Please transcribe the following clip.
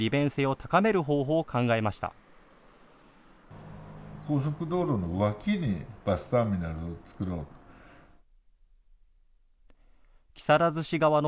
高速道路の脇にバスターミナルを作ろうと。